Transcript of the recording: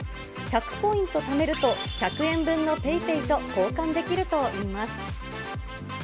１００ポイントためると、１００円分のペイペイと交換できるといいます。